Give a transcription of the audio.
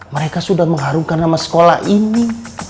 mereka sudah mengharukan nama sekolah ini